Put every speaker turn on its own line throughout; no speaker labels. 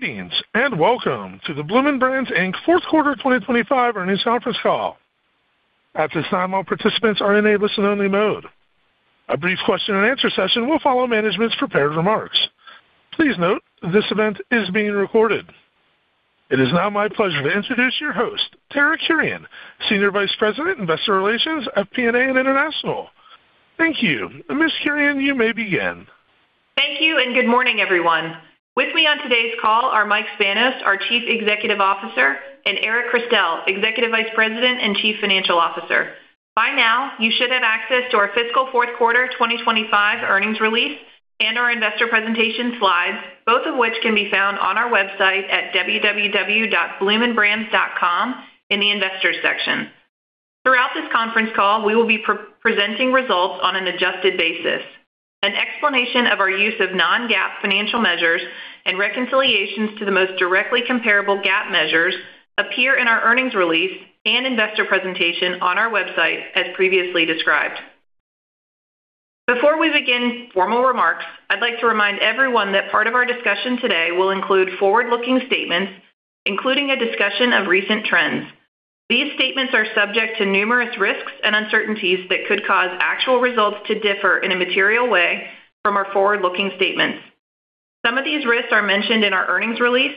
Greetings, welcome to the Bloomin' Brands, Inc. fourth quarter 2025 earnings conference call. At this time, all participants are in a listen-only mode. A brief question-and-answer session will follow management's prepared remarks. Please note, this event is being recorded. It is now my pleasure to introduce your host, Tara Kurian, Senior Vice President, Investor Relations, FP&A and International. Thank you. Ms. Kurian, you may begin.
Thank you, and good morning, everyone. With me on today's call are Mike Spanos, our Chief Executive Officer, and Eric Christel, Executive Vice President and Chief Financial Officer. By now, you should have access to our fiscal fourth quarter 2025 earnings release and our investor presentation slides, both of which can be found on our website at www.bloominbrands.com in the Investors section. Throughout this conference call, we will be presenting results on an adjusted basis. An explanation of our use of non-GAAP financial measures and reconciliations to the most directly comparable GAAP measures appear in our earnings release and investor presentation on our website, as previously described. Before we begin formal remarks, I'd like to remind everyone that part of our discussion today will include forward-looking statements, including a discussion of recent trends. These statements are subject to numerous risks and uncertainties that could cause actual results to differ in a material way from our forward-looking statements. Some of these risks are mentioned in our earnings release.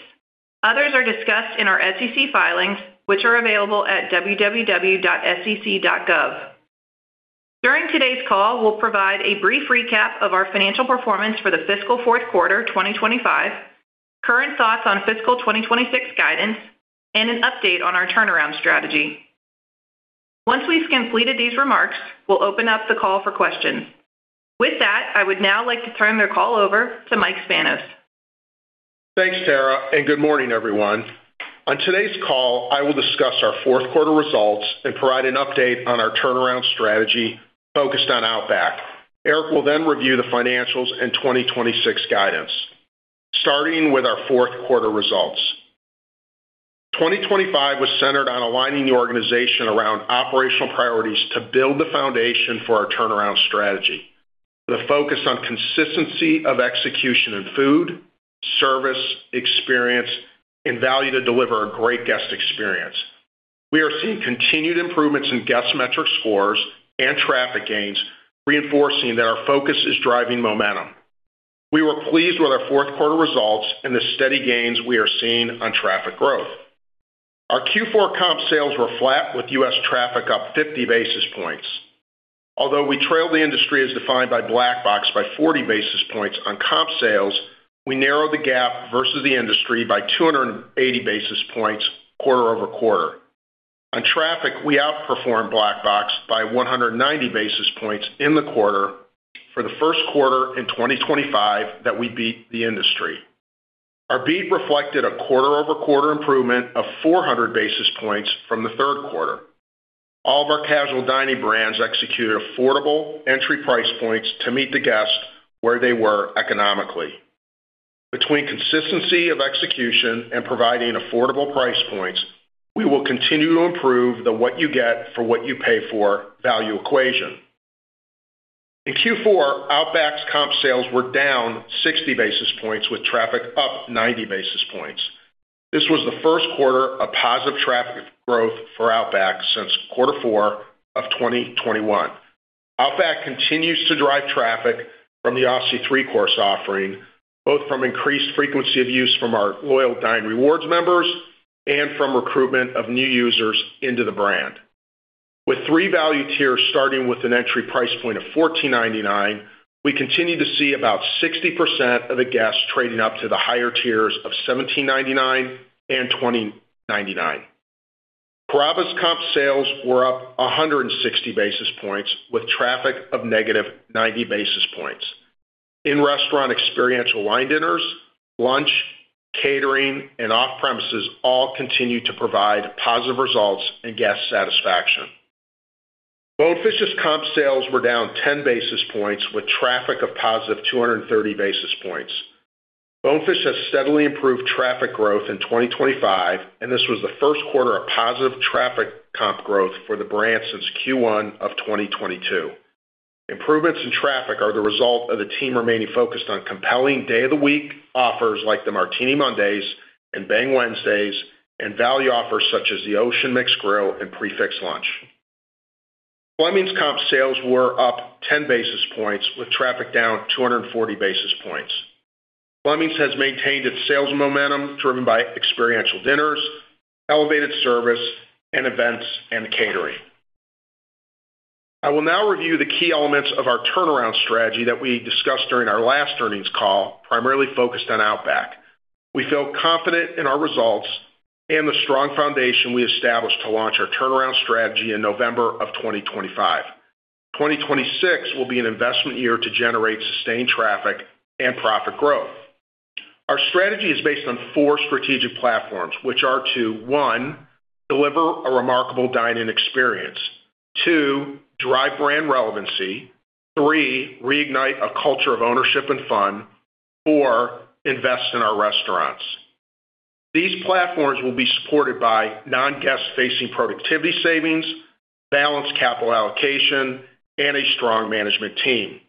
Others are discussed in our SEC filings, which are available at www.sec.gov. During today's call, we'll provide a brief recap of our financial performance for the fiscal fourth quarter 2025, current thoughts on fiscal 2026 guidance, and an update on our turnaround strategy. Once we've completed these remarks, we'll open up the call for questions. With that, I would now like to turn the call over to Mike Spanos.
Thanks, Tara. Good morning, everyone. On today's call, I will discuss our fourth quarter results and provide an update on our turnaround strategy focused on Outback. Eric will then review the financials and 2026 guidance. Starting with our fourth quarter results, 2025 was centered on aligning the organization around operational priorities to build the foundation for our turnaround strategy. With a focus on consistency of execution in food, service, experience, and value to deliver a great guest experience. We are seeing continued improvements in guest metric scores and traffic gains, reinforcing that our focus is driving momentum. We were pleased with our fourth quarter results and the steady gains we are seeing on traffic growth. Our Q4 comp sales were flat, with U.S. traffic up 50 basis points. Although we trailed the industry as defined by Black Box by 40 basis points on comp sales, we narrowed the gap versus the industry by 280 basis points quarter-over-quarter. On traffic, we outperformed Black Box by 190 basis points in the quarter for the first quarter in 2025 that we beat the industry. Our beat reflected a quarter-over-quarter improvement of 400 basis points from the third quarter. All of our casual dining brands executed affordable entry price points to meet the guests where they were economically. Between consistency of execution and providing affordable price points, we will continue to improve the what you get for what you pay for value equation. In Q4, Outback's comp sales were down 60 basis points, with traffic up 90 basis points. This was the first quarter of positive traffic growth for Outback since quarter four of 2021. Outback continues to drive traffic from the Aussie 3-Course offering, both from increased frequency of use from our loyal Dine Rewards members and from recruitment of new users into the brand. With three value tiers, starting with an entry price point of $14.99, we continue to see about 60% of the guests trading up to the higher tiers of $17.99 and $20.99. Carrabba's comp sales were up 160 basis points, with traffic of negative 90 basis points. In-restaurant experiential wine dinners, lunch, catering, and off-premises all continued to provide positive results and guest satisfaction. Bonefish's comp sales were down 10 basis points, with traffic of positive 230 basis points. Bonefish has steadily improved traffic growth in 2025. This was the first quarter of positive traffic comp growth for the brand since Q1 of 2022. Improvements in traffic are the result of the team remaining focused on compelling day-of-the-week offers, like the Martini Mondays and Bang Wednesdays, and value offers such as the Ocean Mixed Grill and Prix Fixe Lunch. Fleming's comp sales were up 10 basis points, with traffic down 240 basis points. Fleming's has maintained its sales momentum, driven by experiential dinners, elevated service and events, and catering. I will now review the key elements of our turnaround strategy that we discussed during our last earnings call, primarily focused on Outback. We feel confident in our results and the strong foundation we established to launch our turnaround strategy in November of 2025. 2026 will be an investment year to generate sustained traffic and profit growth. Our strategy is based on four strategic platforms, which are to, one, deliver a remarkable dine-in experience. Two, drive brand relevancy. Three, reignite a culture of ownership and fun. Four, invest in our restaurants. These platforms will be supported by non-guest-facing productivity savings, balanced capital allocation, and a strong management team.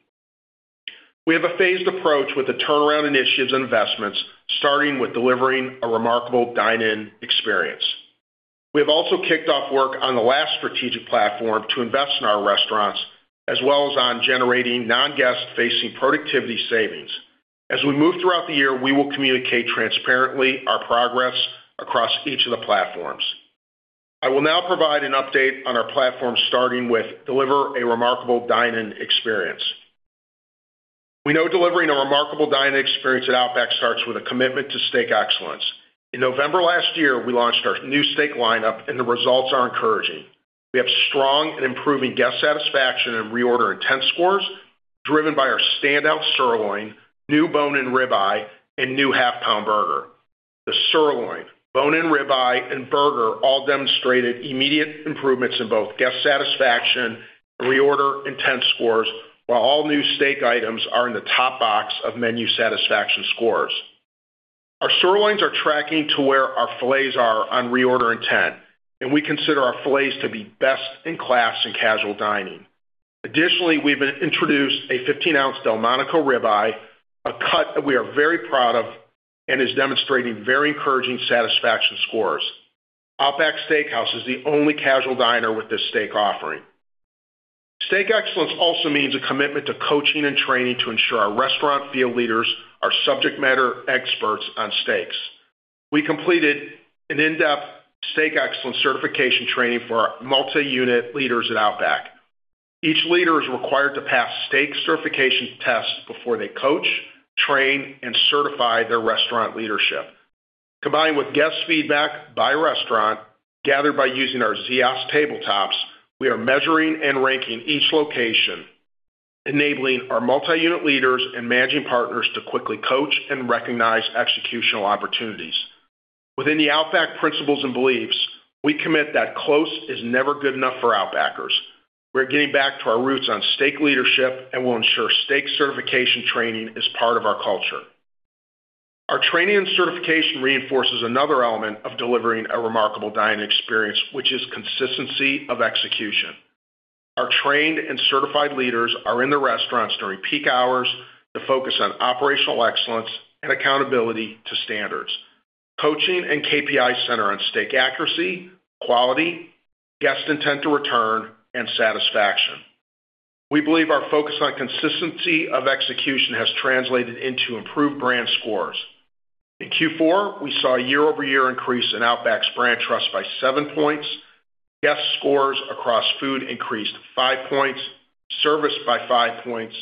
We have a phased approach with the turnaround initiatives and investments, starting with delivering a remarkable dine-in experience. We have also kicked off work on the last strategic platform to invest in our restaurants, as well as on generating non-guest facing productivity savings. We will communicate transparently our progress across each of the platforms. I will now provide an update on our platform, starting with deliver a remarkable dine-in experience. We know delivering a remarkable dine-in experience at Outback starts with a commitment to steak excellence. In November last year, we launched our new steak lineup, and the results are encouraging. We have strong and improving guest satisfaction and reorder intent scores, driven by our standout sirloin, new bone-in ribeye, and new half-pound burger. The sirloin, bone-in ribeye, and burger all demonstrated immediate improvements in both guest satisfaction and reorder intent scores, while all new steak items are in the top box of menu satisfaction scores. Our sirloins are tracking to where our fillets are on reorder intent, and we consider our fillets to be best in class in casual dining. Additionally, we've introduced a 15 oz Delmonico Ribeye, a cut that we are very proud of and is demonstrating very encouraging satisfaction scores. Outback Steakhouse is the only casual diner with this steak offering. Steak excellence also means a commitment to coaching and training to ensure our restaurant field leaders are subject matter experts on steaks. We completed an in-depth Steak Excellence Certification training for our multi-unit leaders at Outback. Each leader is required to pass steak certification tests before they coach, train, and certify their restaurant leadership. Combined with guest feedback by restaurant, gathered by using our Ziosk tabletops, we are measuring and ranking each location, enabling our multi-unit leaders and managing partners to quickly coach and recognize executional opportunities. Within the Outback principles and beliefs, we commit that close is never good enough for Outbackers. We're getting back to our roots on steak leadership and will ensure steak certification training is part of our culture. Our training and certification reinforces another element of delivering a remarkable dine-in experience, which is consistency of execution. Our trained and certified leaders are in the restaurants during peak hours to focus on operational excellence and accountability to standards. Coaching and KPI center on steak accuracy, quality, guest intent to return, and satisfaction. We believe our focus on consistency of execution has translated into improved brand scores. In Q4, we saw a year-over-year increase in Outback's brand trust by seven points. Guest scores across food increased five points, service by five points,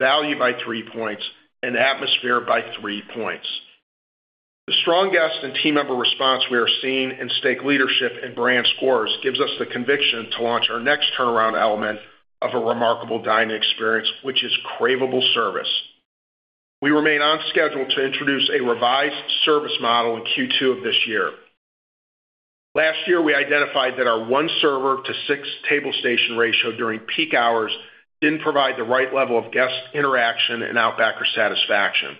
value by three points, and atmosphere by three points. The strong guest and team member response we are seeing in steak leadership and brand scores gives us the conviction to launch our next turnaround element of a remarkable dine-in experience, which is craveable service. We remain on schedule to introduce a revised service model in Q2 of this year. Last year, we identified that our one server to six table station ratio during peak hours didn't provide the right level of guest interaction and Outbacker satisfaction.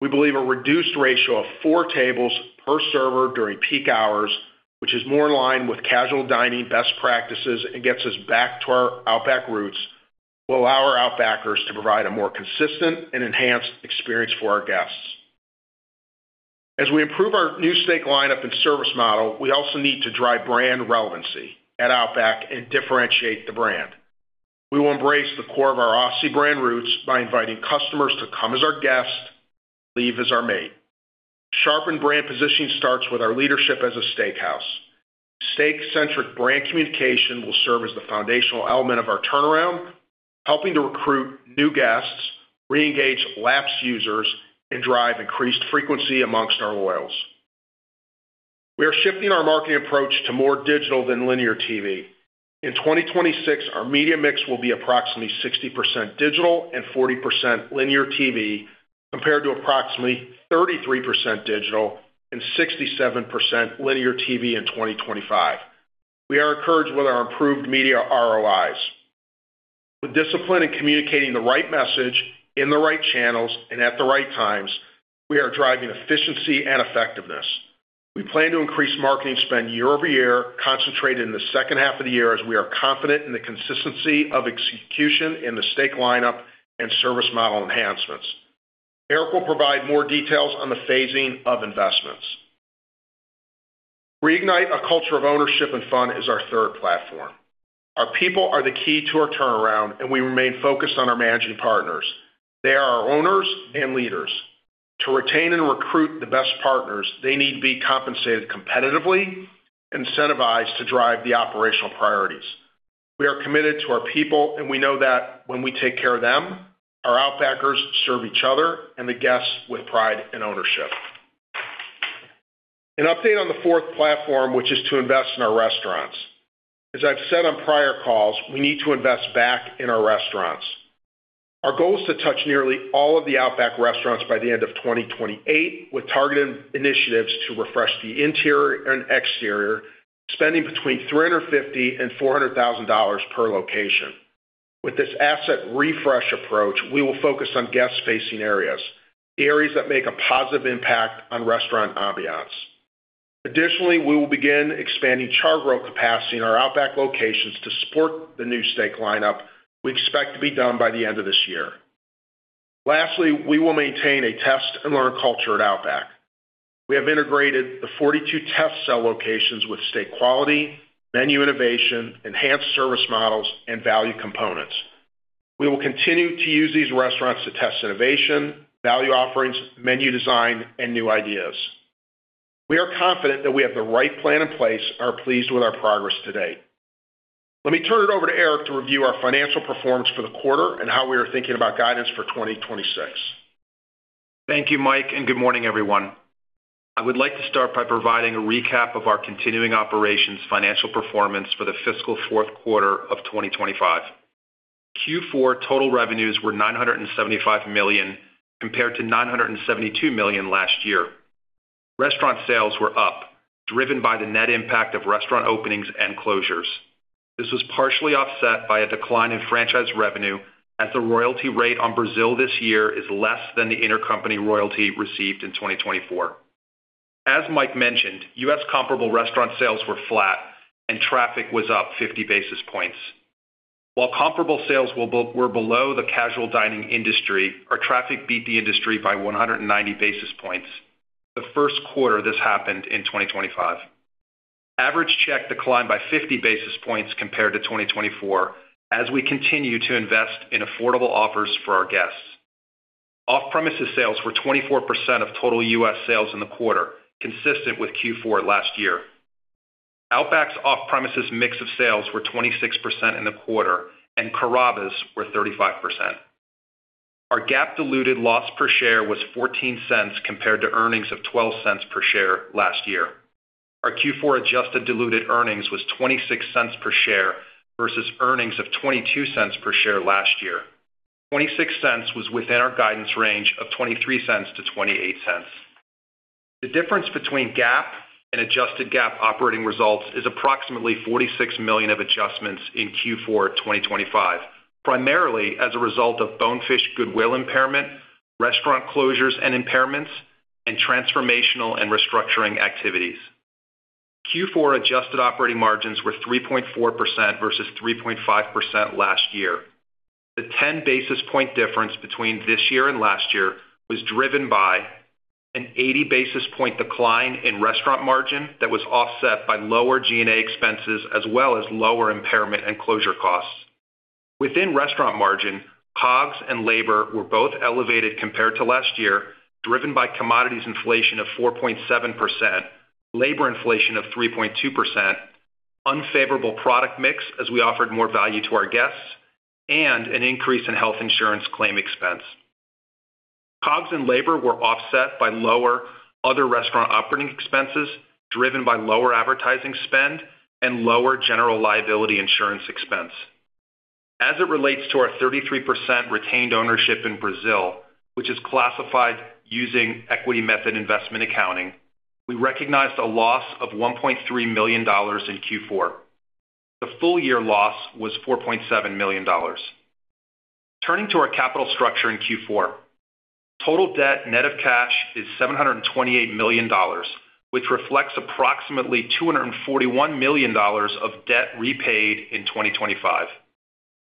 We believe a reduced ratio of four tables per server during peak hours, which is more in line with casual dining best practices and gets us back to our Outback roots, will allow our Outbackers to provide a more consistent and enhanced experience for our guests. As we improve our new steak lineup and service model, we also need to drive brand relevancy at Outback and differentiate the brand. We will embrace the core of our Aussie brand roots by inviting customers to come as our guest, leave as our mate. Sharpened brand positioning starts with our leadership as a steakhouse. Steak-centric brand communication will serve as the foundational element of our turnaround, helping to recruit new guests, reengage lapsed users, and drive increased frequency amongst our loyals. We are shifting our marketing approach to more digital than linear TV. In 2026, our media mix will be approximately 60% digital and 40% linear TV, compared to approximately 33% digital and 67% linear TV in 2025. We are encouraged with our improved media ROIs. With discipline in communicating the right message, in the right channels and at the right times, we are driving efficiency and effectiveness. We plan to increase marketing spend year-over-year, concentrated in the second half of the year, as we are confident in the consistency of execution in the steak lineup and service model enhancements. Eric will provide more details on the phasing of investments. Reignite a culture of ownership and fun is our third platform. Our people are the key to our turnaround. We remain focused on our managing partners. They are our owners and leaders. To retain and recruit the best partners, they need to be compensated competitively, incentivized to drive the operational priorities. We are committed to our people, and we know that when we take care of them, our Outbackers serve each other and the guests with pride and ownership. An update on the fourth platform, which is to invest in our restaurants. As I've said on prior calls, we need to invest back in our restaurants. Our goal is to touch nearly all of the Outback restaurants by the end of 2028, with targeted initiatives to refresh the interior and exterior, spending between $350,000 and $400,000 per location. With this asset refresh approach, we will focus on guest-facing areas that make a positive impact on restaurant ambiance. Additionally, we will begin expanding char grill capacity in our Outback locations to support the new steak lineup. We expect to be done by the end of this year. Lastly, we will maintain a test and learn culture at Outback. We have integrated the 42 test cell locations with steak quality, menu innovation, enhanced service models, and value components. We will continue to use these restaurants to test innovation, value offerings, menu design, and new ideas. We are confident that we have the right plan in place and are pleased with our progress to date. Let me turn it over to Eric to review our financial performance for the quarter and how we are thinking about guidance for 2026.
Thank you, Mike. Good morning, everyone. I would like to start by providing a recap of our continuing operations financial performance for the fiscal fourth quarter of 2025. Q4 total revenues were $975 million, compared to $972 million last year. Restaurant sales were up, driven by the net impact of restaurant openings and closures. This was partially offset by a decline in franchise revenue, as the royalty rate on Brazil this year is less than the intercompany royalty received in 2024. As Mike mentioned, U.S. comparable restaurant sales were flat and traffic was up 50 basis points. While comparable sales were below the casual dining industry, our traffic beat the industry by 190 basis points, the first quarter this happened in 2025. Average check declined by 50 basis points compared to 2024, as we continue to invest in affordable offers for our guests. Off-premises sales were 24% of total U.S. sales in the quarter, consistent with Q4 last year. Outback's off-premises mix of sales were 26% in the quarter, and Carrabba's were 35%. Our GAAP diluted loss per share was $0.14, compared to earnings of $0.12 per share last year. Our Q4 adjusted diluted earnings was $0.26 per share versus earnings of $0.22 per share last year. $0.26 was within our guidance range of $0.23-$0.28. The difference between GAAP and adjusted GAAP operating results is approximately $46 million of adjustments in Q4 2025, primarily as a result of Bonefish goodwill impairment, restaurant closures and impairments, and transformational and restructuring activities. Q4 adjusted operating margins were 3.4% versus 3.5% last year. The 10 basis point difference between this year and last year was driven by an 80 basis point decline in restaurant margin that was offset by lower G&A expenses, as well as lower impairment and closure costs. Within restaurant margin, COGS and labor were both elevated compared to last year, driven by commodities inflation of 4.7%, labor inflation of 3.2%, unfavorable product mix as we offered more value to our guests, and an increase in health insurance claim expense. COGS and labor were offset by lower other restaurant operating expenses, driven by lower advertising spend and lower general liability insurance expense. As it relates to our 33% retained ownership in Brazil, which is classified using equity method investment accounting, we recognized a loss of $1.3 million in Q4. The full year loss was $4.7 million. Turning to our capital structure in Q4, total debt net of cash is $728 million, which reflects approximately $241 million of debt repaid in 2025.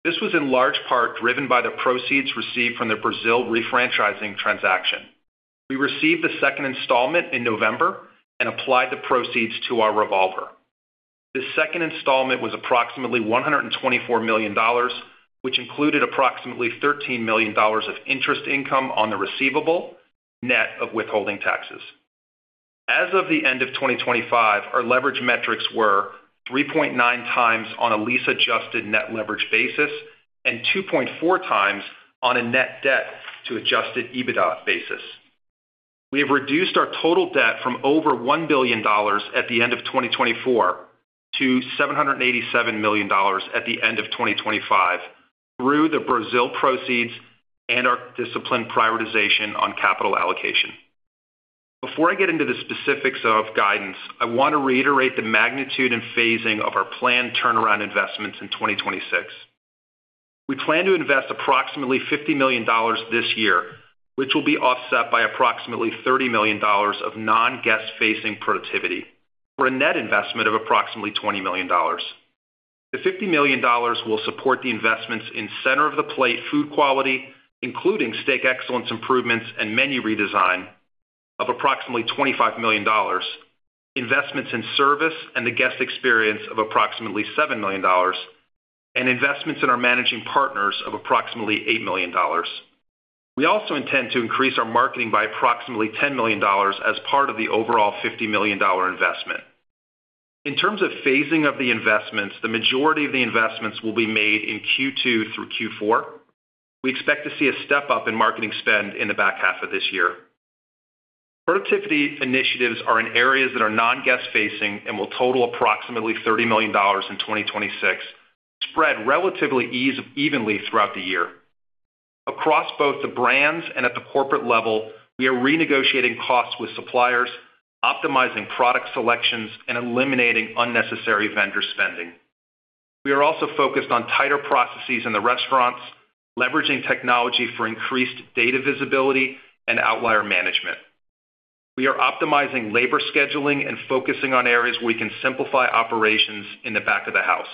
This was in large part driven by the proceeds received from the Brazil refranchising transaction. We received the second installment in November and applied the proceeds to our revolver. This second installment was approximately $124 million, which included approximately $13 million of interest income on the receivable, net of withholding taxes. As of the end of 2025, our leverage metrics were 3.9x on a lease-adjusted net leverage basis and 2.4x on a net debt to adjusted EBITDA basis. We have reduced our total debt from over $1 billion at the end of 2024 to $787 million at the end of 2025 through the Brazil proceeds and our disciplined prioritization on capital allocation. Before I get into the specifics of guidance, I want to reiterate the magnitude and phasing of our planned turnaround investments in 2026. We plan to invest approximately $50 million this year, which will be offset by approximately $30 million of non-guest facing productivity, for a net investment of approximately $20 million. The $50 million will support the investments in center-of-the-plate food quality, including Steak Excellence improvements and menu redesign of approximately $25 million, investments in service and the guest experience of approximately $7 million, and investments in our managing partners of approximately $8 million. We also intend to increase our marketing by approximately $10 million as part of the overall $50 million investment. In terms of phasing of the investments, the majority of the investments will be made in Q2 through Q4. We expect to see a step-up in marketing spend in the back half of this year. Productivity initiatives are in areas that are non-guest facing and will total approximately $30 million in 2026, spread relatively evenly throughout the year. Across both the brands and at the corporate level, we are renegotiating costs with suppliers, optimizing product selections, and eliminating unnecessary vendor spending. We are also focused on tighter processes in the restaurants, leveraging technology for increased data visibility and outlier management. We are optimizing labor scheduling and focusing on areas where we can simplify operations in the back of the house.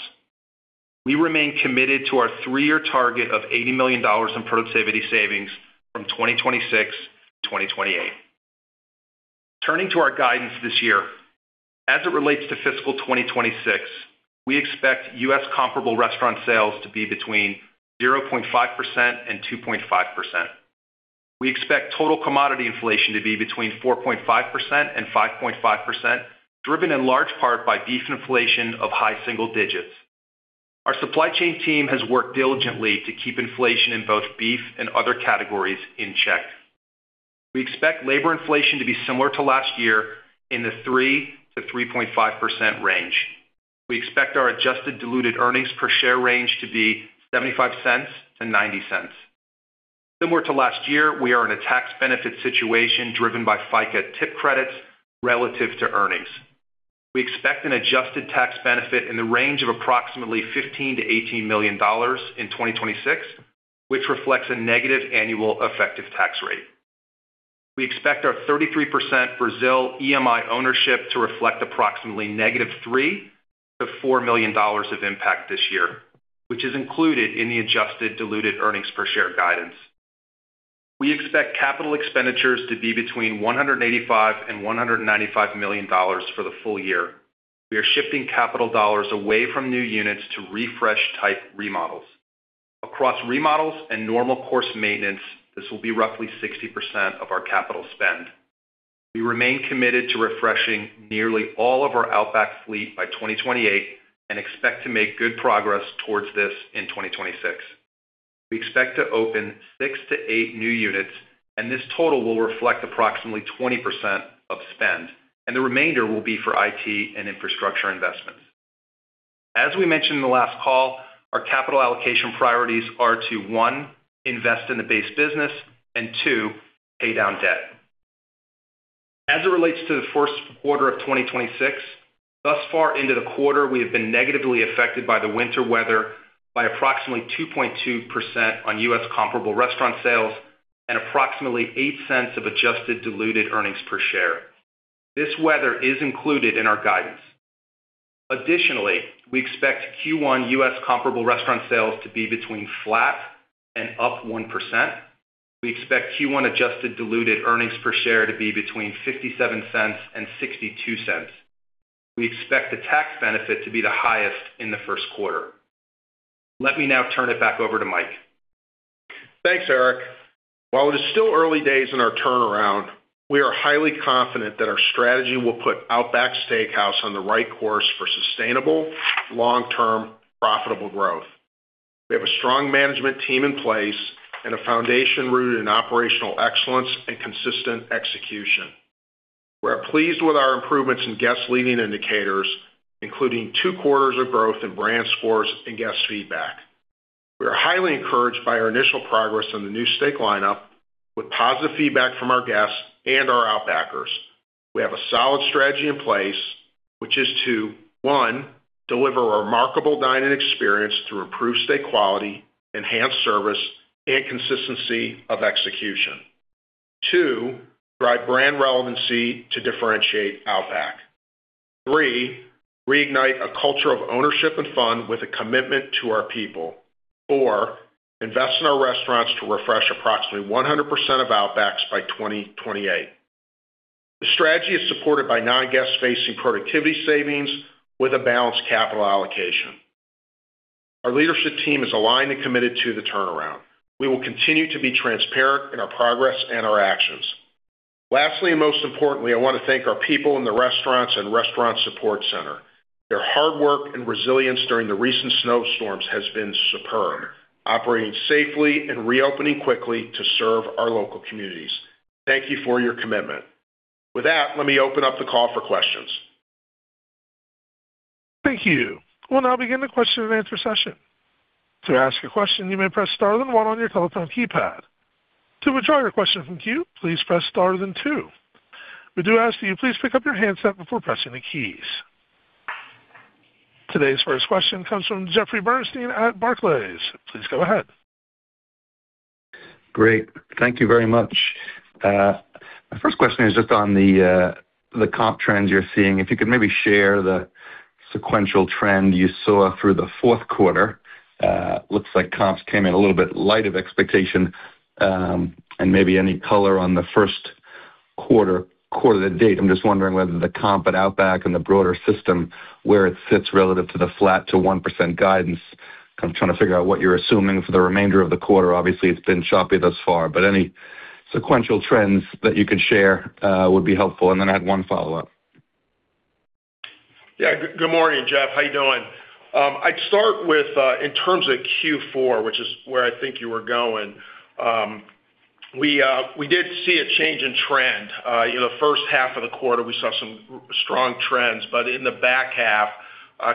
We remain committed to our three-year target of $80 million in productivity savings from 2026 to 2028. Turning to our guidance this year, as it relates to fiscal 2026, we expect U.S. comparable restaurant sales to be between 0.5% and 2.5%. We expect total commodity inflation to be between 4.5% and 5.5%, driven in large part by beef inflation of high single digits. Our supply chain team has worked diligently to keep inflation in both beef and other categories in check. We expect labor inflation to be similar to last year in the 3%-3.5% range. We expect our adjusted diluted earnings per share range to be $0.75-$0.90. Similar to last year, we are in a tax benefit situation driven by FICA tip credits relative to earnings. We expect an adjusted tax benefit in the range of approximately $15 million-$18 million in 2026, which reflects a negative annual effective tax rate. We expect our 33% Brazil EMI ownership to reflect approximately -$3 million to -$4 million of impact this year, which is included in the adjusted diluted earnings per share guidance. We expect capital expenditures to be between $185 million and $195 million for the full year. We are shifting capital dollars away from new units to refresh type remodels. Across remodels and normal course maintenance, this will be roughly 60% of our capital spend. We remain committed to refreshing nearly all of our Outback fleet by 2028 and expect to make good progress towards this in 2026. We expect to open six to eight new units, and this total will reflect approximately 20% of spend, and the remainder will be for IT and infrastructure investments. As we mentioned in the last call, our capital allocation priorities are to, one, invest in the base business and two, pay down debt. As it relates to the first quarter of 2026, thus far into the quarter, we have been negatively affected by the winter weather by approximately 2.2% on U.S. comparable restaurant sales and approximately $0.08 of adjusted diluted earnings per share. This weather is included in our guidance. We expect Q1 U.S. comparable restaurant sales to be between flat and up 1%. We expect Q1 adjusted diluted earnings per share to be between $0.57 and $0.62. We expect the tax benefit to be the highest in the first quarter. Let me now turn it back over to Mike.
Thanks, Eric. While it is still early days in our turnaround, we are highly confident that our strategy will put Outback Steakhouse on the right course for sustainable, long-term, profitable growth. We have a strong management team in place and a foundation rooted in operational excellence and consistent execution. We are pleased with our improvements in guest leading indicators, including two quarters of growth in brand scores and guest feedback. We are highly encouraged by our initial progress on the new steak lineup, with positive feedback from our guests and our Outbackers. We have a solid strategy in place, which is to, one, deliver a remarkable dine-in experience through improved steak quality, enhanced service, and consistency of execution. Two, drive brand relevancy to differentiate Outback. Three, reignite a culture of ownership and fun with a commitment to our people. Four, invest in our restaurants to refresh approximately 100% of Outbacks by 2028. The strategy is supported by non-guest facing productivity savings with a balanced capital allocation. Our leadership team is aligned and committed to the turnaround. We will continue to be transparent in our progress and our actions. Lastly, and most importantly, I want to thank our people in the restaurants and restaurant support center. Their hard work and resilience during the recent snowstorms has been superb, operating safely and reopening quickly to serve our local communities. Thank you for your commitment. With that, let me open up the call for questions.
Thank you. We'll now begin the question and answer session. To ask a question, you may press star then one on your telephone keypad. To withdraw your question from queue, please press star then two. We do ask that you please pick up your handset before pressing the keys. Today's first question comes from Jeffrey Bernstein at Barclays. Please go ahead.
Great. Thank you very much. My first question is just on the comp trends you're seeing. If you could maybe share the sequential trend you saw through the fourth quarter. Looks like comps came in a little bit light of expectation, and maybe any color on the first quarter to date. I'm just wondering whether the comp at Outback and the broader system, where it sits relative to the flat to 1% guidance. I'm trying to figure out what you're assuming for the remainder of the quarter. Obviously, it's been choppy thus far, but any sequential trends that you could share would be helpful. I had one follow-up.
Yeah, good morning, Jeff. How you doing? I'd start with in terms of Q4, which is where I think you were going. We did see a change in trend. In the first half of the quarter, we saw some strong trends, but in the back half,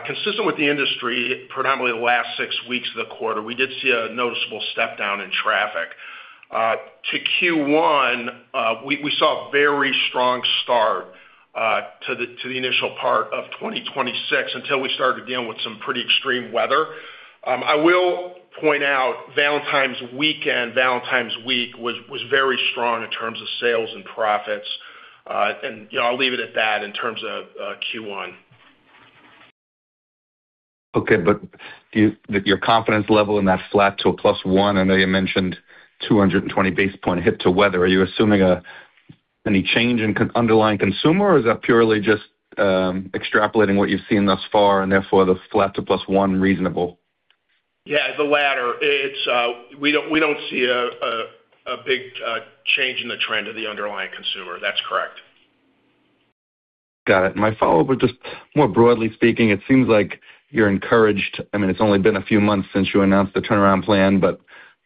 consistent with the industry, predominantly the last six weeks of the quarter, we did see a noticeable step down in traffic. To Q1, we saw a very strong start to the initial part of 2026, until we started to deal with some pretty extreme weather. I will point out, Valentine's weekend, Valentine's week was very strong in terms of sales and profits. You know, I'll leave it at that in terms of Q1.
Okay, do you- with your confidence level in that flat to +1%, I know you mentioned 220 basis point hit to weather. Are you assuming any change in underlying consumer, or is that purely just extrapolating what you've seen thus far, and therefore, the flat to +1% reasonable?
Yeah, the latter. It's, we don't see a big change in the trend of the underlying consumer. That's correct.
Got it. My follow-up was just more broadly speaking, it seems like you're encouraged. I mean, it's only been a few months since you announced the turnaround plan, but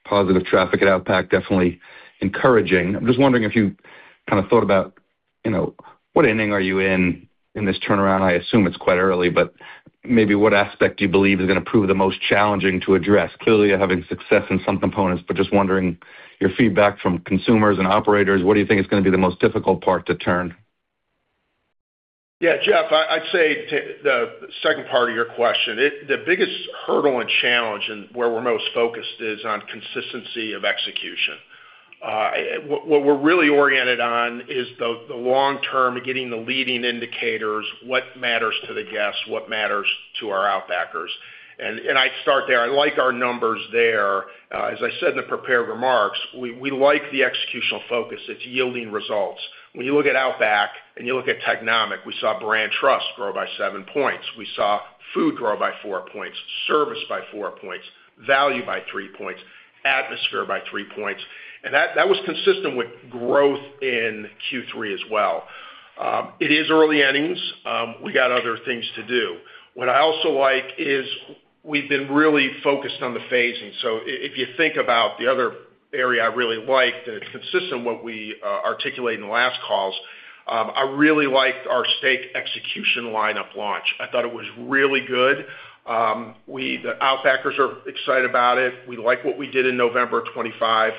positive traffic at Outback, definitely encouraging. I'm just wondering if you kind of thought about, you know, what inning are you in this turnaround? I assume it's quite early, but maybe what aspect do you believe is going to prove the most challenging to address? Clearly, you're having success in some components, but just wondering, your feedback from consumers and operators, what do you think is going to be the most difficult part to turn?
Jeff, I'd say to the second part of your question, the biggest hurdle and challenge and where we're most focused is on consistency of execution. What we're really oriented on is the long term, getting the leading indicators, what matters to the guests, what matters to our Outbackers. I'd start there. I like our numbers there. As I said in the prepared remarks, we like the executional focus. It's yielding results. When you look at Outback and you look at Technomic, we saw brand trust grow by seven points. We saw food grow by four points, service by four points, value by three points, atmosphere by three points, and that was consistent with growth in Q3 as well. It is early innings. We got other things to do. What I also like is we've been really focused on the phasing. If you think about the other area I really like, that is consistent with what we articulated in the last calls, I really liked our steak execution lineup launch. I thought it was really good. The Outbackers are excited about it. We like what we did in November 2025.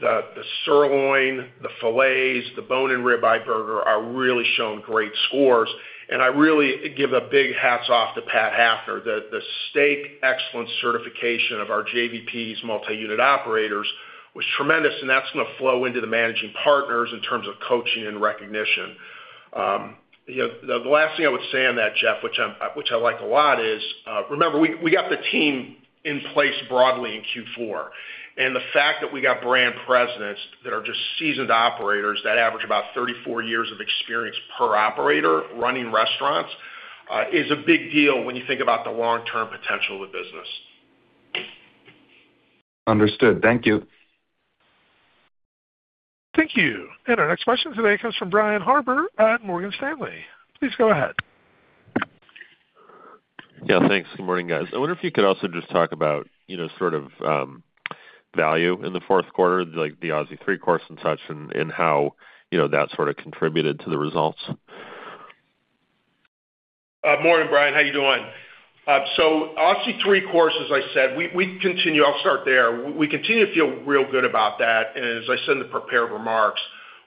The sirloin, the fillets, the bone-in ribeye burger are really shown great scores, and I really give a big hats off to Pat Hafner. The Steak Excellence Certification of our JVPs multi-unit operators was tremendous, and that's going to flow into the managing partners in terms of coaching and recognition. You know, the last thing I would say on that, Jeff, which I like a lot, is, remember, we got the team in place broadly in Q4, and the fact that we got brand presidents that are just seasoned operators, that average about 34 years of experience per operator, running restaurants, is a big deal when you think about the long-term potential of the business.
Understood. Thank you.
Thank you. Our next question today comes from Brian Harbour at Morgan Stanley. Please go ahead.
Yeah, thanks. Good morning, guys. I wonder if you could also just talk about, you know, sort of, value in the fourth quarter, like the Aussie 3-Course and such, and how, you know, that sort of contributed to the results?
Morning, Brian. How you doing? Aussie 3-Course Meal, as I said, we continue. I'll start there. We continue to feel real good about that, and as I said in the prepared remarks,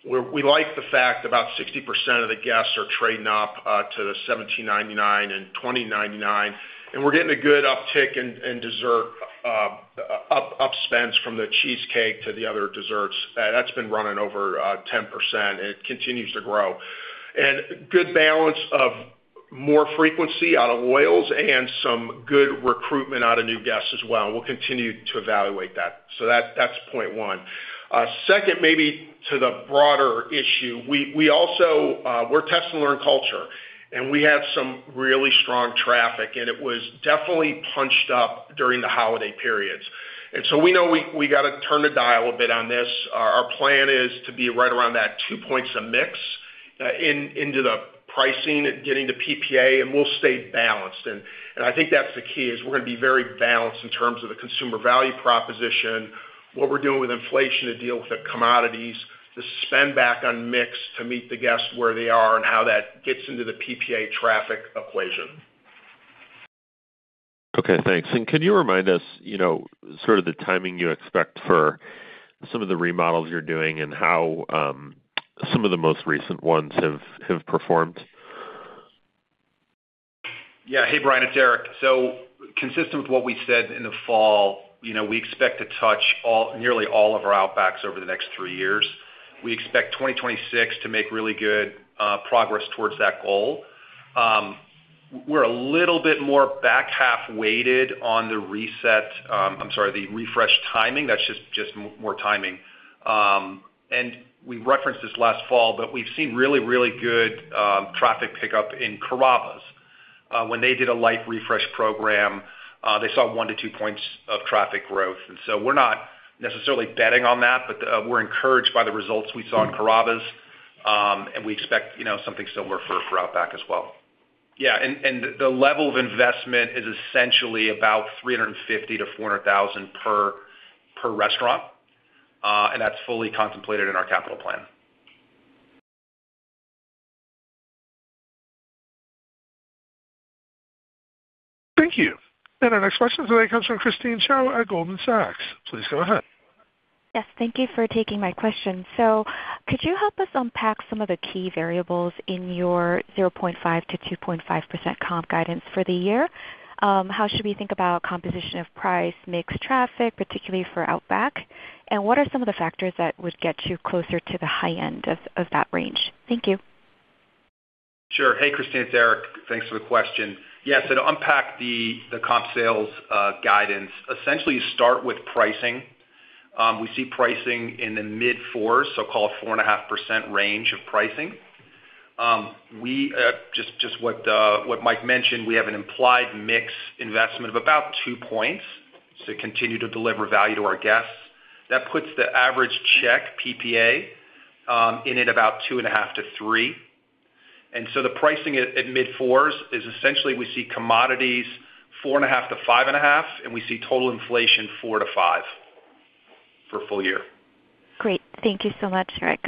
we like the fact about 60% of the guests are trading up to the $17.99 and $20.99, and we're getting a good uptick in dessert upspends from the cheesecake to the other desserts. That's been running over 10%, and it continues to grow. Good balance of more frequency out of loyals and some good recruitment out of new guests as well. We'll continue to evaluate that. That's point one. Second, maybe to the broader issue, we also, we're a test and learn culture, and we had some really strong traffic, and it was definitely punched up during the holiday periods. We know we got to turn the dial a bit on this. Our plan is to be right around that two points of mix into the pricing, getting to PPA, and we'll stay balanced. I think that's the key, is we're going to be very balanced in terms of the consumer value proposition, what we're doing with inflation to deal with the commodities, to spend back on mix, to meet the guests where they are, and how that gets into the PPA traffic equation.
Okay, thanks. Could you remind us, you know, sort of the timing you expect for some of the remodels you're doing and how some of the most recent ones have performed?
Hey, Brian, it's Eric. Consistent with what we said in the fall, you know, we expect to touch nearly all of our Outbacks over the next three years. We expect 2026 to make really good progress towards that goal. We're a little bit more back half weighted on the reset, I'm sorry, the refresh timing. That's just more timing. We referenced this last fall, but we've seen really, really good traffic pickup in Carrabba's. When they did a light refresh program, they saw one to two points of traffic growth. We're not necessarily betting on that, but we're encouraged by the results we saw in Carrabba's. We expect, you know, something similar for Outback as well.
The level of investment is essentially about $350,000-$400,000 per restaurant, and that's fully contemplated in our capital plan.
Our next question today comes from Christine Cho at Goldman Sachs. Please go ahead.
Yes, thank you for taking my question. Could you help us unpack some of the key variables in your 0.5%-2.5% comp guidance for the year? How should we think about composition of price, mix traffic, particularly for Outback? What are some of the factors that would get you closer to the high end of that range? Thank you.
Sure. Hey, Christine, it's Eric. Thanks for the question. Yes, to unpack the comp sales guidance, essentially, you start with pricing. We see pricing in the mid-4s, so call it 4.5% range of pricing. We just what Mike mentioned, we have an implied mix investment of about two points to continue to deliver value to our guests. That puts the average check PPA in at about 2.5%-3%. The pricing at mid-4s is essentially we see commodities 4.5%-5.5%, and we see total inflation 4%-5% for full year.
Great. Thank you so much, Eric.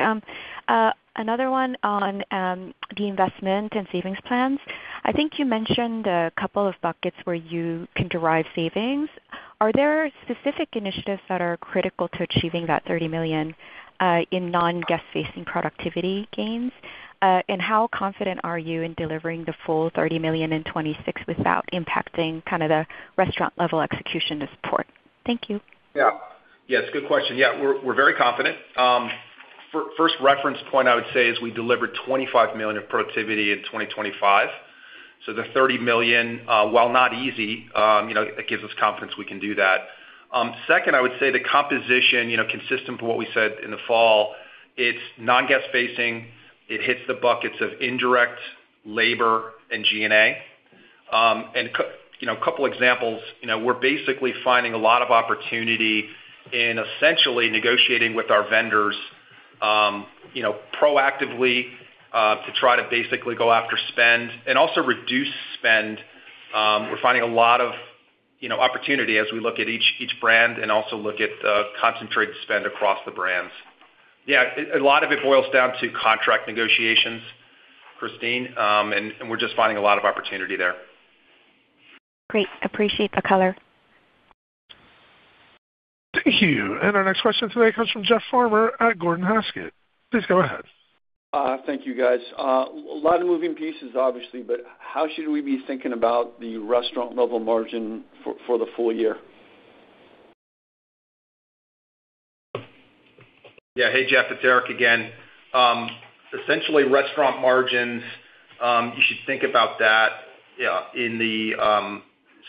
Another one on the investment and savings plans. I think you mentioned a couple of buckets where you can derive savings. Are there specific initiatives that are critical to achieving that $30 million in non-guest facing productivity gains? How confident are you in delivering the full $30 million in 2026 without impacting kind of the restaurant level execution and support? Thank you.
Yes, good question. We're very confident. First reference point, I would say, is we delivered $25 million of productivity in 2025. The $30 million, while not easy, you know, it gives us confidence we can do that. Second, I would say the composition, you know, consistent with what we said in the fall, it's non-guest-facing. It hits the buckets of indirect labor and G&A. A couple examples, you know, we're basically finding a lot of opportunity in essentially negotiating with our vendors, you know, proactively, to try to basically go after spend and also reduce spend. We're finding a lot of, you know, opportunity as we look at each brand and also look at concentrated spend across the brands. Yeah, a lot of it boils down to contract negotiations, Christine, and we're just finding a lot of opportunity there.
Great. Appreciate the color.
Thank you. Our next question today comes from Jeff Farmer at Gordon Haskett. Please go ahead.
Thank you, guys. A lot of moving pieces, obviously, but how should we be thinking about the restaurant level margin for the full year?
Yeah. Hey, Jeff, it's Eric again. Essentially, restaurant margins, you should think about that, yeah, in the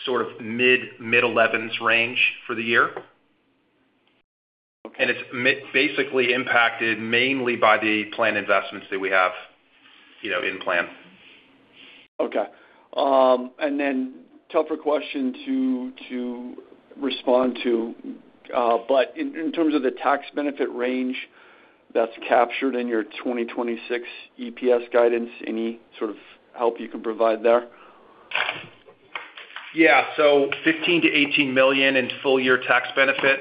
sort of mid-11s% range for the year.
Okay.
It's basically impacted mainly by the plan investments that we have, you know, in plan.
Okay. tougher question to respond to, in terms of the tax benefit range that's captured in your 2026 EPS guidance, any sort of help you can provide there?
So, $15 million-$18 million in full year tax benefit,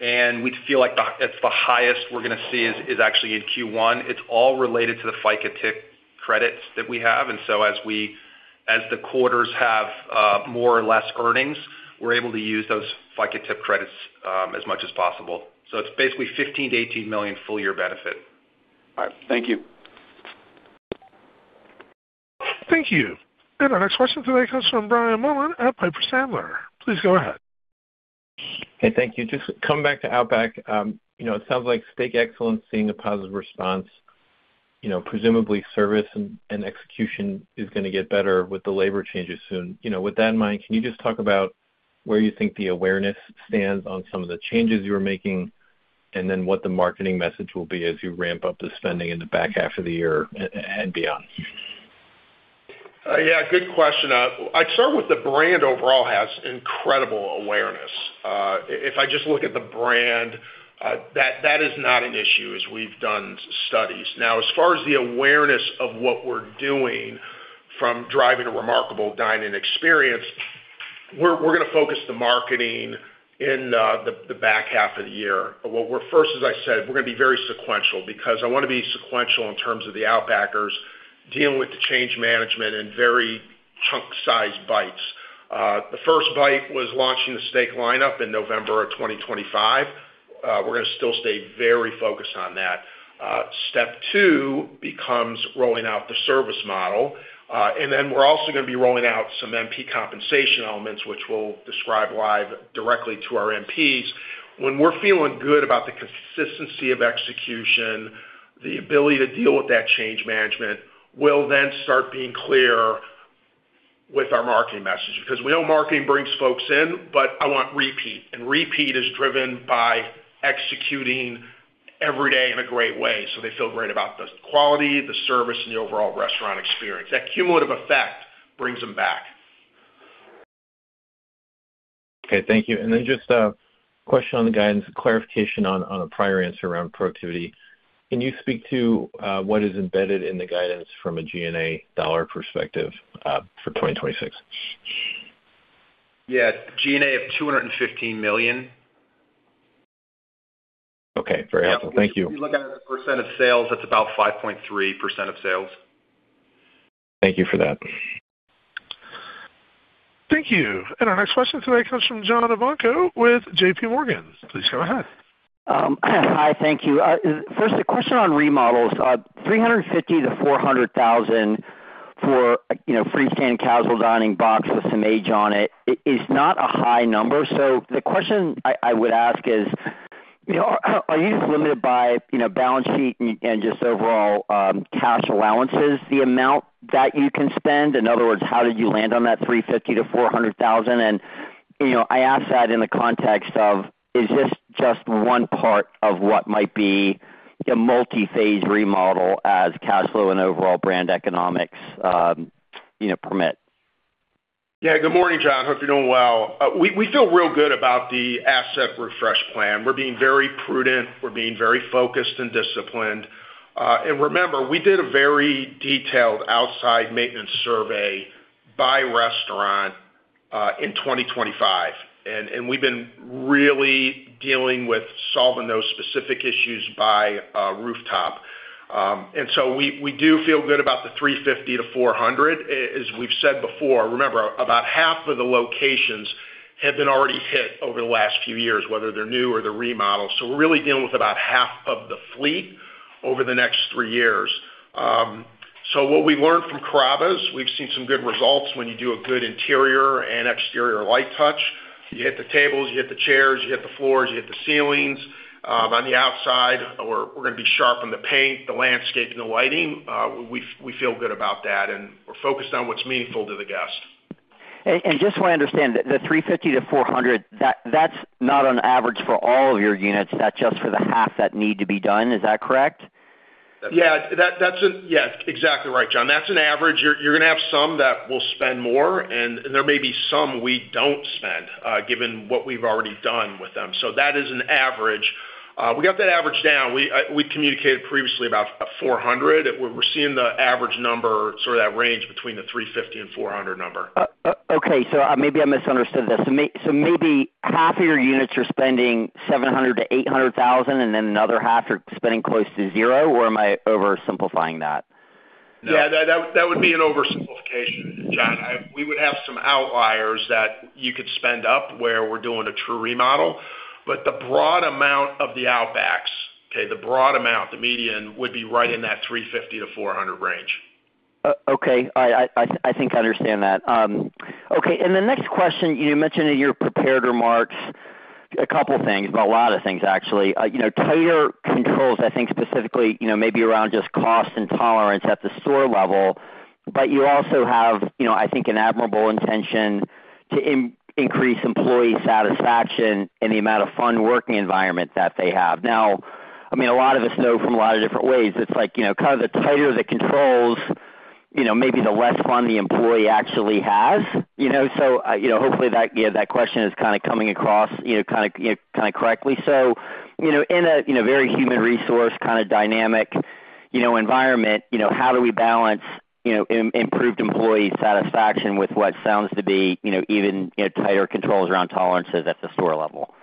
we feel like that's the highest we're going to see is actually in Q1. It's all related to the FICA tip credits that we have. As the quarters have more or less earnings, we're able to use those FICA tip credits as much as possible. It's basically $15 million-$18 million full year benefit.
All right. Thank you.
Thank you. Our next question today comes from Brian Mullan at Piper Sandler. Please go ahead.
Hey, thank you. Just coming back to Outback, you know, it sounds like Steak Excellence, seeing a positive response, you know, presumably service and execution is going to get better with the labor changes soon. You know, with that in mind, can you just talk about where you think the awareness stands on some of the changes you are making, and then what the marketing message will be as you ramp up the spending in the back half of the year and beyond?
Yeah, good question. I'd start with the brand overall has incredible awareness. If I just look at the brand, that is not an issue as we've done studies. As far as the awareness of what we're doing from driving a remarkable dine-in experience, we're going to focus the marketing in the back half of the year. First, as I said, we're going to be very sequential, because I want to be sequential in terms of the Outbackers dealing with the change management in very chunk-sized bites. The first bite was launching the steak lineup in November of 2025. We're going to still stay very focused on that. Step two becomes rolling out the service model, and then we're also going to be rolling out some MP compensation elements, which we'll describe live directly to our MPs. When we're feeling good about the consistency of execution, the ability to deal with that change management, we'll then start being clear with our marketing message. We know marketing brings folks in, but I want repeat, and repeat is driven by executing every day in a great way, so they feel great about the quality, the service, and the overall restaurant experience. That cumulative effect brings them back.
Okay. Thank you. Then just a question on the guidance, clarification on a prior answer around productivity. Can you speak to what is embedded in the guidance from a G&A dollar perspective for 2026?
Yeah. G&A of $215 million.
Okay, very helpful. Thank you.
If you look at percent of sales, that's about 5.3% of sales.
Thank you for that.
Thank you. Our next question today comes from John Ivankoe with JPMorgan. Please go ahead.
Hi, thank you. First, a question on remodels. $350,000-$400,000 for, you know, freestanding casual dining box with some age on it is not a high number. The question I would ask is, you know, are you just limited by, you know, balance sheet and just overall, cash allowances, the amount that you can spend? In other words, how did you land on that $350,000-$400,000? You know, I ask that in the context of, is this just one part of what might be a multi-phase remodel as cash flow and overall brand economics, you know, permit?
Good morning, John. Hope you're doing well. We feel real good about the asset refresh plan. We're being very prudent. We're being very focused and disciplined. Remember, we did a very detailed outside maintenance survey by restaurant in 2025, and we've been really dealing with solving those specific issues by rooftop. We do feel good about the $350,000-$400,000. As we've said before, remember, about half of the locations have been already hit over the last few years, whether they're new or they're remodeled. We're really dealing with about half of the fleet over the next three years. What we learned from Carrabba's, we've seen some good results when you do a good interior and exterior light touch. You hit the tables, you hit the chairs, you hit the floors, you hit the ceilings. On the outside, we're gonna be sharp on the paint, the landscape, and the lighting. We feel good about that. We're focused on what's meaningful to the guest.
Just so I understand, the $350,000-$400,000, that's not on average for all of your units. That's just for the half that need to be done. Is that correct?
Exactly right, John. That's an average. You're gonna have some that will spend more, and there may be some we don't spend, given what we've already done with them. That is an average. We got that average down. We communicated previously about $400,000. We're seeing the average number, sort of that range between the $350,000 and $400,000 number.
Okay, maybe I misunderstood this. Maybe half of your units are spending $700,000-$800,000, and then another half are spending close to zero, or am I oversimplifying that?
Yeah, that would be an oversimplification, John. We would have some outliers that you could spend up where we're doing a true remodel. The broad amount of the Outbacks, okay, the broad amount, the median, would be right in that $350,000-$400,000 range.
Okay. I think I understand that. Okay, the next question, you mentioned in your prepared remarks, a couple things, but a lot of things actually. You know, tighter controls, I think, specifically, you know, maybe around just cost and tolerance at the store level. You also have, you know, I think, an admirable intention to increase employee satisfaction and the amount of fun working environment that they have. I mean, a lot of us know from a lot of different ways, it's like, you know, kind of the tighter the controls, you know, maybe the less fun the employee actually has, you know? Hopefully that question is kinda coming across, you know, kinda correctly. You know, in a, in a very human resource, kinda dynamic, you know, environment, you know, how do we balance, you know, improved employee satisfaction with what sounds to be, you know, even, you know, tighter controls around tolerances at the store level?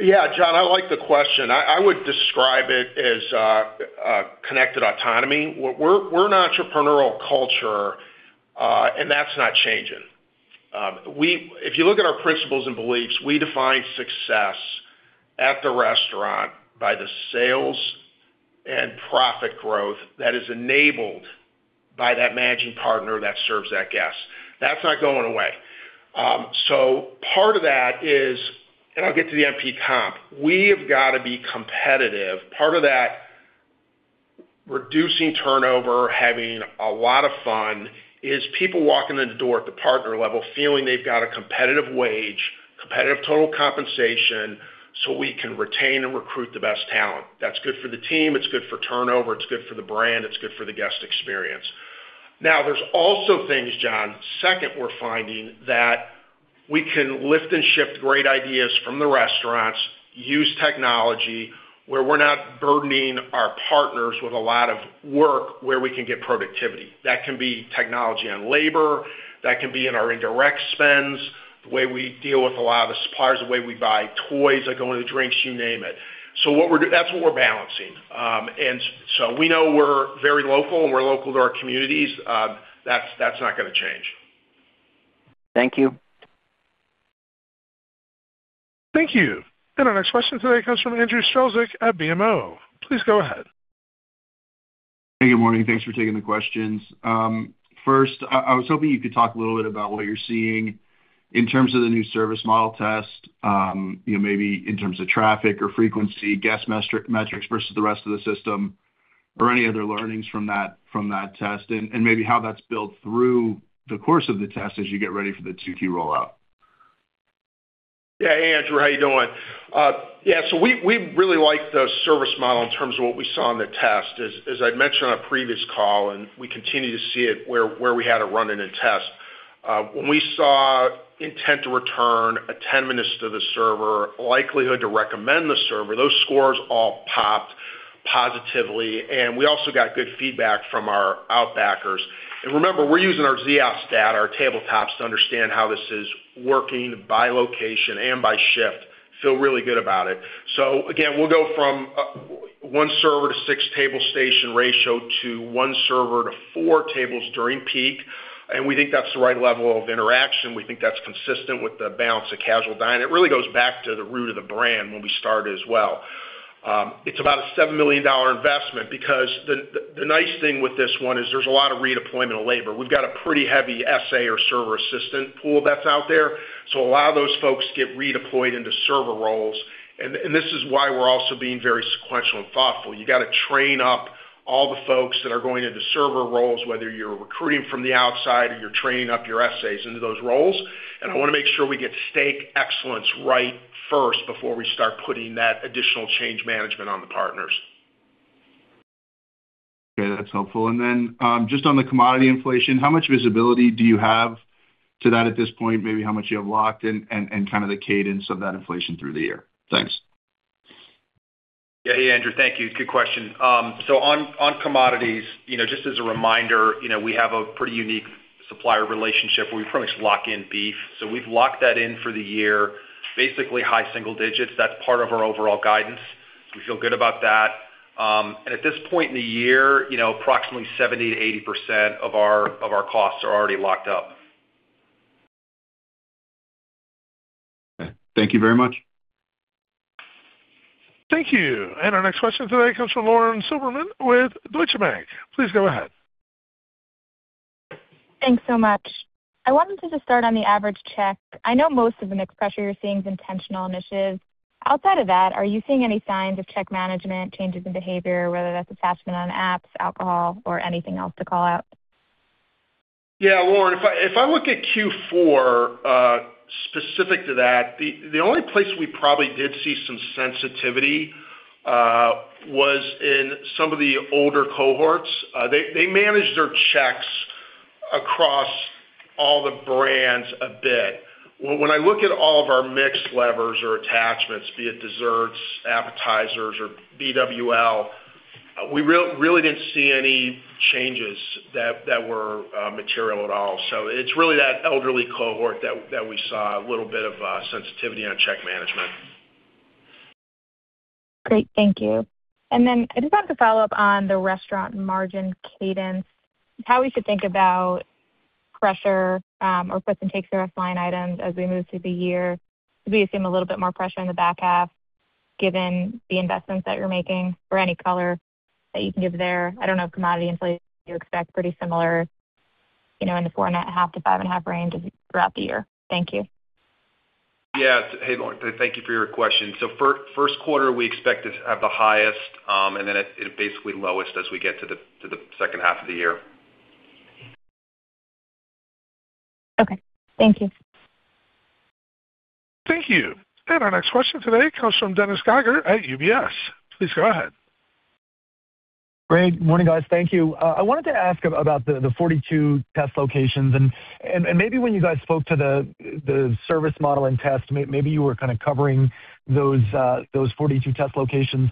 Yeah, John, I like the question. I would describe it as a connected autonomy. We're an entrepreneurial culture, and that's not changing. If you look at our principles and beliefs, we define success at the restaurant by the sales and profit growth that is enabled by that managing partner that serves that guest. That's not going away. Part of that is, and I'll get to the MP comp, we have got to be competitive. Part of that, reducing turnover, having a lot of fun, is people walking in the door at the partner level, feeling they've got a competitive wage, competitive total compensation, so we can retain and recruit the best talent. That's good for the team, it's good for turnover, it's good for the brand, it's good for the guest experience. There's also things, John, second, we're finding that we can lift and shift great ideas from the restaurants, use technology, where we're not burdening our partners with a lot of work, where we can get productivity. That can be technology and labor, that can be in our indirect spends, the way we deal with a lot of the suppliers, the way we buy toys that go into drinks, you name it. That's what we're balancing. We know we're very local, and we're local to our communities. That's not gonna change.
Thank you.
Thank you. Our next question today comes from Andrew Strelzik at BMO. Please go ahead.
Hey, good morning. Thanks for taking the questions. First, I was hoping you could talk a little bit about what you're seeing in terms of the new service model test, you know, maybe in terms of traffic or frequency, guest metrics versus the rest of the system, or any other learnings from that test, and maybe how that's built through the course of the test as you get ready for the two-tier rollout?
Hey, Andrew, how you doing? We really like the service model in terms of what we saw on the test. As I'd mentioned on a previous call, we continue to see it where we had it running a test. When we saw intent to return, attentiveness to the server, likelihood to recommend the server, those scores all popped positively, we also got good feedback from our Outbackers. Remember, we're using our Ziosk, our tabletops, to understand how this is working by location and by shift. Feel really good about it. Again, we'll go from one server to six table station ratio to one server to four tables during peak, we think that's the right level of interaction. We think that's consistent with the balance of casual dining. It really goes back to the root of the brand when we started as well. It's about a $7 million investment because the nice thing with this one is there's a lot of redeployment of labor. We've got a pretty heavy SA or server assistant pool that's out there, so a lot of those folks get redeployed into server roles. This is why we're also being very sequential and thoughtful. You gotta train up all the folks that are going into server roles, whether you're recruiting from the outside or you're training up your SAs into those roles. I wanna make sure we get Steak Excellence right first before we start putting that additional change management on the partners.
Okay, that's helpful. Just on the commodity inflation, how much visibility do you have to that at this point? Maybe how much you have locked in, and kind of the cadence of that inflation through the year? Thanks.
Yeah. Hey, Andrew. Thank you. Good question. On, on commodities, you know, just as a reminder, you know, we have a pretty unique supplier relationship. We pretty much lock in beef, so we've locked that in for the year, basically high single digits. That's part of our overall guidance. We feel good about that. At this point in the year, you know, approximately 70%-80% of our, of our costs are already locked up.
Thank you very much.
Thank you. Our next question today comes from Lauren Silberman with Deutsche Bank. Please go ahead.
Thanks so much. I wanted to just start on the average check. I know most of the mix pressure you're seeing is intentional initiatives. Outside of that, are you seeing any signs of check management, changes in behavior, whether that's attachment on apps, alcohol, or anything else to call out?
Yeah, Lauren, if I look at Q4 specific to that, the only place we probably did see some sensitivity was in some of the older cohorts. They managed their checks across all the brands a bit. When I look at all of our mix levers or attachments, be it desserts, appetizers, or BWL, we really didn't see any changes that were material at all. It's really that elderly cohort that we saw a little bit of sensitivity on check management.
Great, thank you. I just wanted to follow up on the restaurant margin cadence. How we should think about pressure, or puts and takes the risk line items as we move through the year? Do we assume a little bit more pressure in the back half, given the investments that you're making, or any color that you can give there? I don't know if commodity inflation you expect pretty similar, you know, in the 4.5%-5.5% range throughout the year? Thank you.
Yes. Hey, Lauren, thank you for your question. First quarter, we expect to have the highest, and then it basically lowest as we get to the second half of the year.
Okay, thank you.
Thank you. Our next question today comes from Dennis Geiger at UBS. Please go ahead.
Great. Morning, guys. Thank you. I wanted to ask about the 42 test locations, and maybe when you guys spoke to the service model and test, maybe you were kind of covering those 42 test locations.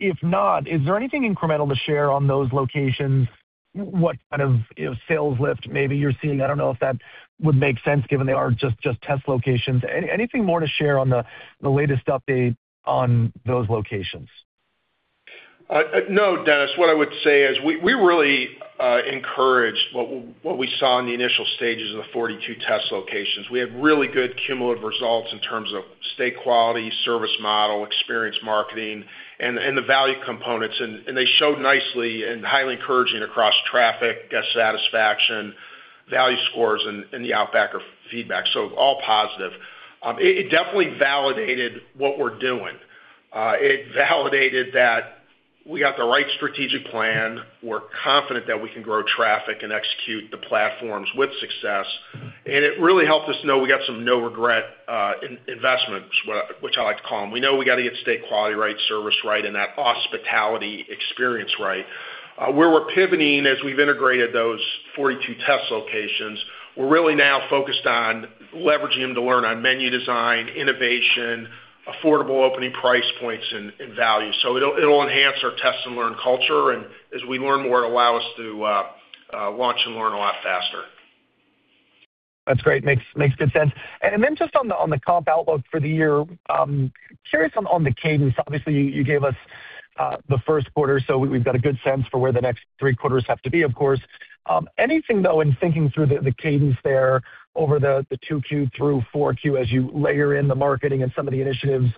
If not, is there anything incremental to share on those locations? What kind of, you know, sales lift maybe you're seeing? I don't know if that would make sense, given they are just test locations. Anything more to share on the latest update on those locations?
No, Dennis, what I would say is we really encouraged what we saw in the initial stages of the 42 test locations. We had really good cumulative results in terms of steak quality, service model, experience, marketing, and the value components. They showed nicely and highly encouraging across traffic, guest satisfaction, value scores, and the Outbacker feedback, so all positive. It definitely validated what we're doing. It validated that we got the right strategic plan. We're confident that we can grow traffic and execute the platforms with success. It really helped us know we got some no-regret investments, which I like to call them. We know we got to get steak quality right, service right, and that hospitality experience right. Where we're pivoting as we've integrated those 42 test locations, we're really now focused on leveraging them to learn on menu design, innovation, affordable opening price points, and value. It'll enhance our test and learn culture, and as we learn more, it'll allow us to launch and learn a lot faster.
That's great. Makes good sense. Just on the comp outlook for the year, curious on the cadence. Obviously, you gave us the first quarter, we've got a good sense for where the next three quarters have to be, of course. Anything, though, in thinking through the cadence there over the 2Q through 4Q as you layer in the marketing and some of the initiatives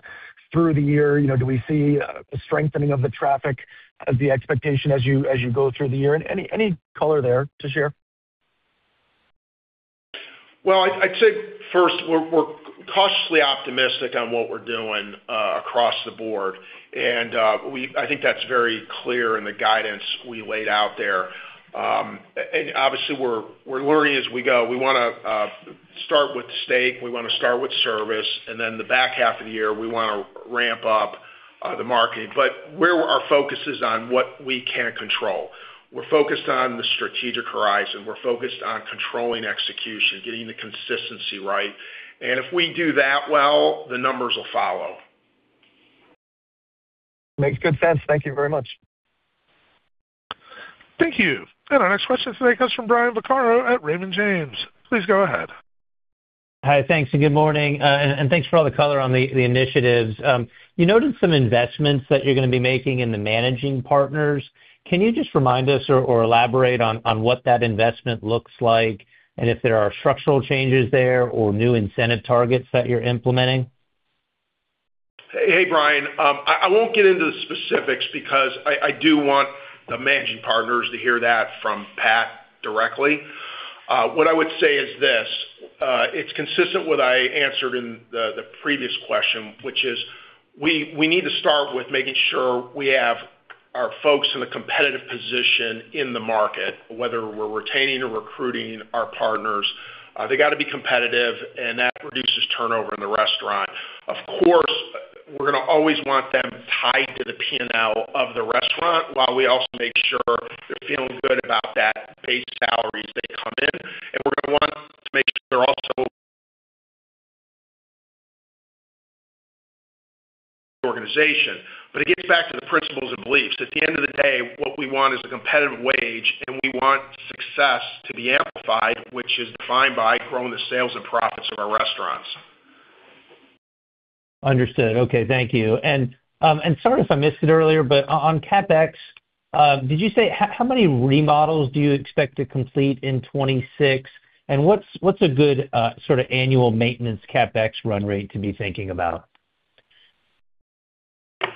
through the year, you know, do we see a strengthening of the traffic as the expectation as you go through the year? Any color there to share?
Well, I'd say first, we're cautiously optimistic on what we're doing across the board, and I think that's very clear in the guidance we laid out there. Obviously, we're learning as we go. We wanna start with steak, we wanna start with service, and then the back half of the year, we wanna ramp up the marketing. Where our focus is on what we can control. We're focused on the strategic horizon. We're focused on controlling execution, getting the consistency right. If we do that well, the numbers will follow.
Makes good sense. Thank you very much.
Thank you. Our next question today comes from Brian Vaccaro at Raymond James. Please go ahead.
Hi, thanks, and good morning. Thanks for all the color on the initiatives. You noted some investments that you're gonna be making in the managing partners. Can you just remind us or elaborate on what that investment looks like, and if there are structural changes there or new incentive targets that you're implementing?
Hey, hey, Brian. I won't get into the specifics because I do want the managing partners to hear that from Pat directly. What I would say is this, it's consistent with what I answered in the previous question, which is we need to start with making sure we have our folks in a competitive position in the market, whether we're retaining or recruiting our partners. They gotta be competitive, that reduces turnover in the restaurant. Of course, we're gonna always want them tied to the P&L of the restaurant, while we also make sure they're feeling good about that base salary as they come in. We're gonna want to make sure they're also organization. It gets back to the principles and beliefs. At the end of the day, what we want is a competitive wage, and we want success to be amplified, which is defined by growing the sales and profits of our restaurants.
Understood. Okay, thank you. Sorry if I missed it earlier, but on CapEx, did you say, how many remodels do you expect to complete in 2026? What's a good, sorta annual maintenance CapEx run rate to be thinking about?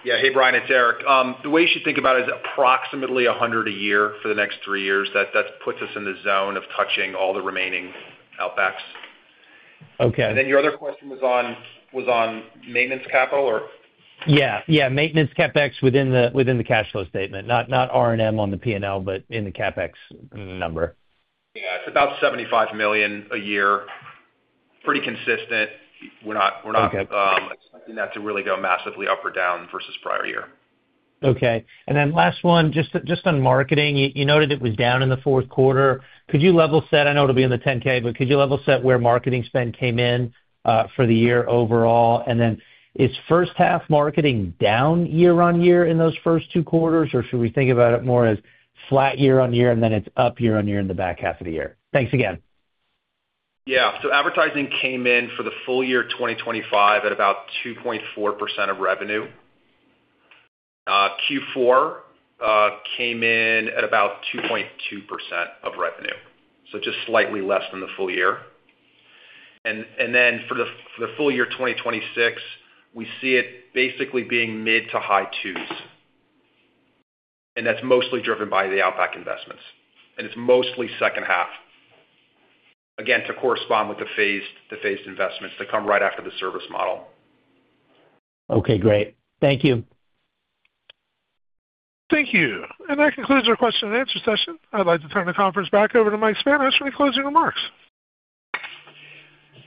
Hey, Brian, it's Eric. The way you should think about it is approximately 100 a year for the next three years. That puts us in the zone of touching all the remaining Outbacks.
Okay.
Your other question was on maintenance capital, or?
Yeah, yeah, maintenance CapEx within the cash flow statement, not R&M on the P&L, but in the CapEx number.
Yeah, it's about $75 million a year. Pretty consistent. We're not-
Okay.
expecting that to really go massively up or down versus prior year.
Okay. Last one, just on marketing. You noted it was down in the fourth quarter. Could you level set? I know it'll be in the 10-K, but could you level set where marketing spend came in for the year overall? Is first half marketing down year-over-year in those first two quarters, or should we think about it more as flat year-over-year, and then it's up year-over-year in the back half of the year? Thanks again.
Advertising came in for the full year 2025 at about 2.4% of revenue. Q4 came in at about 2.2% of revenue, so just slightly less than the full year. Then for the full year 2026, we see it basically being mid- to high-2s%, and that's mostly driven by the Outback investments, and it's mostly second half, again, to correspond with the phased investments that come right after the service model.
Okay, great. Thank you.
Thank you. That concludes our question and answer session. I'd like to turn the conference back over to Mike Spanos for any closing remarks.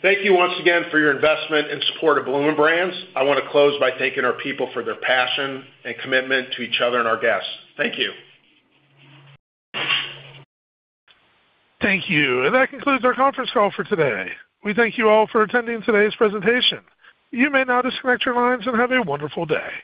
Thank you once again for your investment and support of Bloomin' Brands. I wanna close by thanking our people for their passion and commitment to each other and our guests. Thank you.
Thank you. That concludes our conference call for today. We thank you all for attending today's presentation. You may now disconnect your lines and have a wonderful day.